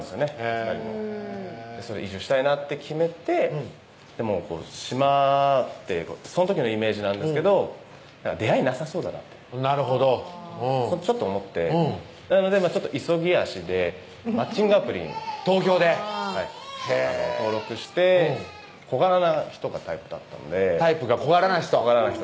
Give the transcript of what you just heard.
２人も移住したいなって決めてでも島ってその時のイメージなんですけど出会いなさそうだなってなるほどちょっと思ってなので急ぎ足でマッチングアプリに東京ではい登録して小柄な人がタイプだったんでタイプが小柄な人